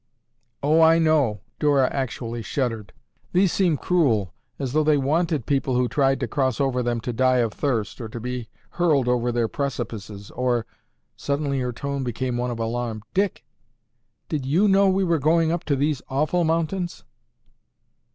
"Oh, I know." Dora actually shuddered. "These seem cruel as though they wanted people who tried to cross over them to die of thirst, or to be hurled over their precipices, or—" suddenly her tone became one of alarm. "Dick, did you know we were going up into these awful mountains?"